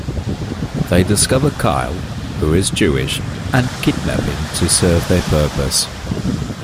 They discover Kyle, who is Jewish, and kidnap him to serve their purpose.